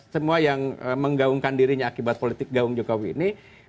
semua yang menggaungkan dirinya akibat politik gaung jokowi ini